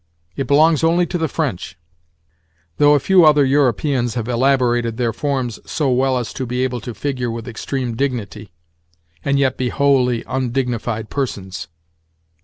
It belongs only to the French—though a few other Europeans have elaborated their forms so well as to be able to figure with extreme dignity, and yet be wholly undignified persons.